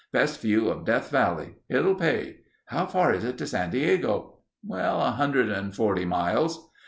Best view of Death Valley. It'll pay. How far is it to San Diego?" "A hundred and forty miles...."